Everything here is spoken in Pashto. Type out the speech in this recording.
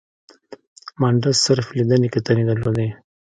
مانډس صرف لیدنې کتنې درلودې.